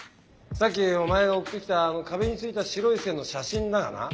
さっきお前が送って来た壁に付いた白い線の写真だがな